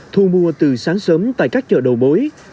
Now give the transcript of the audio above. thu mua từ sáng sớm tại các chợ đầu mối